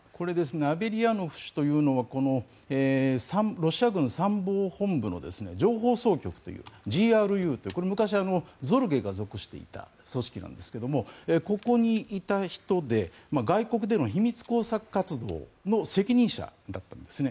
アベリヤノフ氏というのはロシア軍参謀本部の情報総局というＧＲＵというこれ昔、ゾルゲが属していた組織なんですがここにいた人で外国での秘密工作活動の責任者だったんですね。